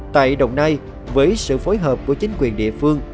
tại đồng nai với sự phối hợp của chính quyền địa phương